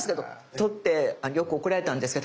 取ってよく怒られたんですけど